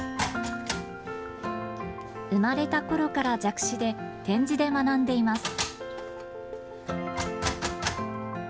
生まれたころから弱視で点字で学んでいます。